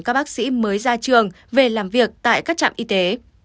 các bác sĩ mới ra trường về làm việc tại các trạm y tế